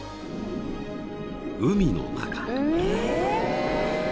［海の中］